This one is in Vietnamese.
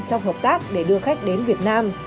trong hợp tác để đưa khách đến việt nam